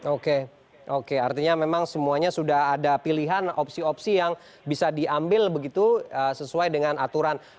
oke oke artinya memang semuanya sudah ada pilihan opsi opsi yang bisa diambil begitu sesuai dengan aturan